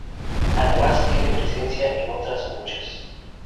Además tiene presencia en otras muchas.